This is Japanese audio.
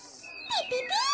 ピピピー！